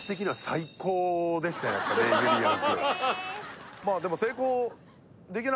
やっぱねゆりやんくん